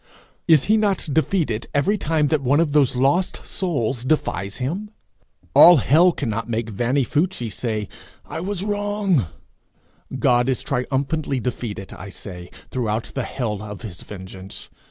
Is he not defeated every time that one of those lost souls defies him? All hell cannot make Vanni Fucci say 'I was wrong.' God is triumphantly defeated, I say, throughout the hell of his vengeance.